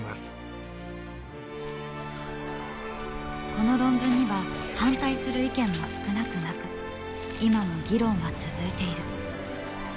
この論文には反対する意見も少なくなく今も議論は続いている。